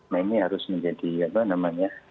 nah ini harus menjadi apa namanya